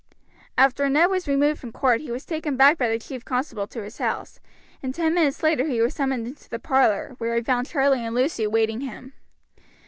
After Ned was removed from court he was taken back by the chief constable to his house, and ten minutes later he was summoned into the parlor, where he found Charlie and Lucy waiting him.